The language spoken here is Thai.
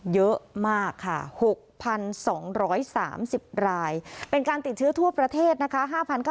เยอะมากค่ะ๖๒๓๐รายเป็นการติดเชื้อทั่วประเทศนะคะ